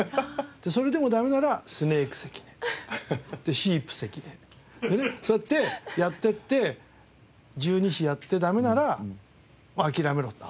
それでもダメなら「スネーク関根」で「シープ関根」ってねそうやってやっていって十二支やってダメならもう諦めろっていう。